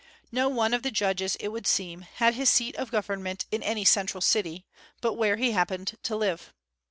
No one of the Judges, it would seem, had his seat of government in any central city, but where he happened to live.